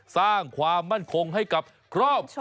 สร้างความมั่นคงให้กับครอบครัว